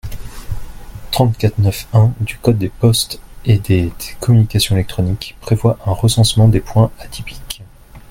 trente-quatre-neuf-un du code des postes et des communications électroniques prévoit un recensement des points atypiques.